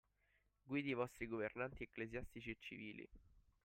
Guidi i vostri Governanti ecclesiastici e civili